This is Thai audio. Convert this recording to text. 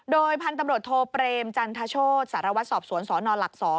โดยพันธุ์ตำรวจโทเปรมจันทโชธสารวัตรสอบสวนสนหลัก๒